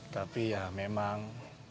tapi ya memang